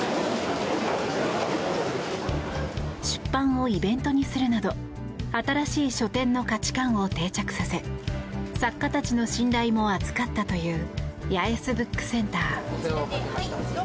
出版をイベントにするなど新しい書店の価値観を定着させ作家たちの信頼も厚かったという八重洲ブックセンター。